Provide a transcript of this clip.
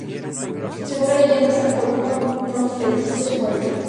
Según la leyenda, San Columba profetizó su muerte.